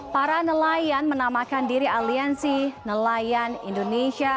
para nelayan menamakan diri aliansi nelayan indonesia